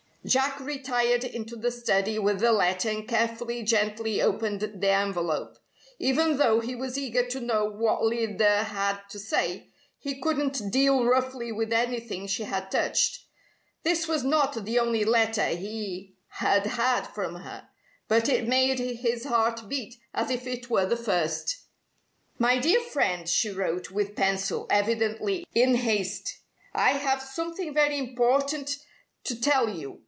Jack retired into the study with the letter and carefully, gently opened the envelope. Even though he was eager to know what Lyda had to say, he couldn't deal roughly with anything she had touched. This was not the only letter he had had from her, but it made his heart beat as if it were the first. "My dear friend," she wrote with pencil, evidently in haste, "I have something very important to tell you.